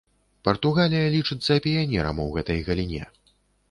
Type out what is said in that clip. Партугалія лічыцца піянерам у гэтай галіне.